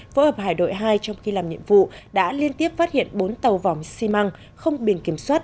phối hợp hải đội hai trong khi làm nhiệm vụ đã liên tiếp phát hiện bốn tàu vòng xi măng không biển kiểm soát